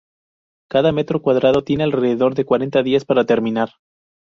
Cada metro cuadrado tiene alrededor de cuarenta días para terminar.